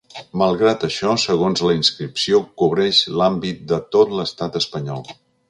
Malgrat això, segons la inscripció cobreix l’àmbit de tot l’estat espanyol.